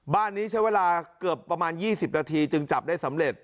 บ้านนี้ใช้เวลาเกือบประมาณ๒๐นาทีจึงจับได้สำเร็จ